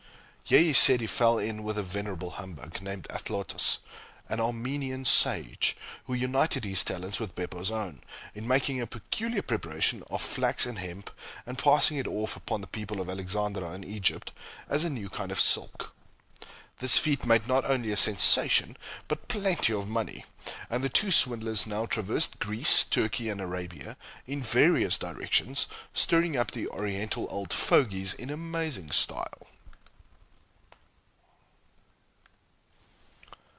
Here he said he fell in with a venerable humbug, named Athlotas, an "Armenian Sage," who united his talents with Beppo's own, in making a peculiar preparation of flax and hemp and passing it off upon the people of Alexandria, in Egypt, as a new kind of silk. This feat made not only a sensation but plenty of money; and the two swindlers now traversed Greece, Turkey, and Arabia, in various directions, stirring up the Oriental "old fogies" in amazing style.